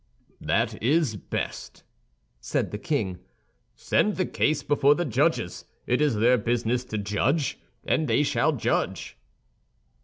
"That is best," said the king. "Send the case before the judges; it is their business to judge, and they shall judge."